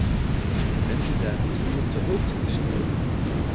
Bent u daar niet van op de hoogte gesteld?